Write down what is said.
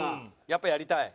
やっぱりやりたい？